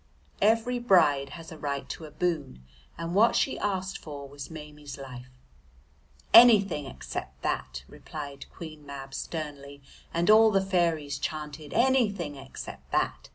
Every bride has a right to a boon, and what she asked for was Maimie's life. "Anything except that," replied Queen Mab sternly, and all the fairies chanted "Anything except that."